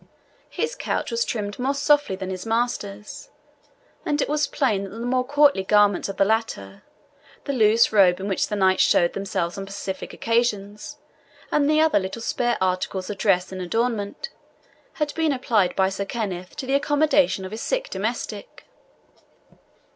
His couch was trimmed more softly than his master's, and it was plain that the more courtly garments of the latter, the loose robe in which the knights showed themselves on pacific occasions, and the other little spare articles of dress and adornment, had been applied by Sir Kenneth to the accommodation of his sick domestic.